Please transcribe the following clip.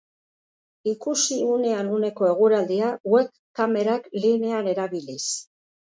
Ikusi unean uneko eguraldia web-kamerak linean erabiliz.